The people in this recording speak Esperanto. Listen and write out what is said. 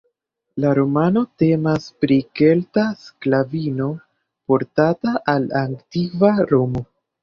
La romano temas pri kelta sklavino, portata al antikva Romo.